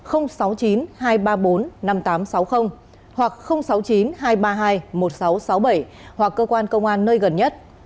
hoặc sáu mươi chín hai trăm ba mươi hai một nghìn sáu trăm sáu mươi bảy hoặc cơ quan công an nơi gần nhất